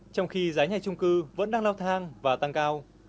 trong khi giá nhà trung cư vẫn đang lao thang và tăng cao